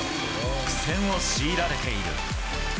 苦戦を強いられている。